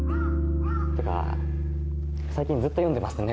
ってか最近ずっと読んでますね